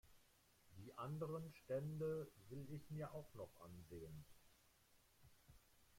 Die anderen Stände will ich mir auch noch ansehen.